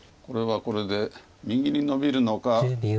これはこれで右にノビるのか。